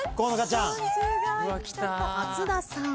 松田さん。